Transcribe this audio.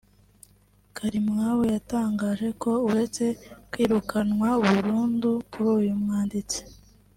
Karimwabo yatangaje ko uretse kwirukanwa burundu k’uyu mwanditsi